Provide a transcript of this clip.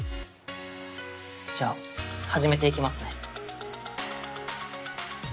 じゃあ始めていきますね。